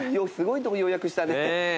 すごいとこ予約したね。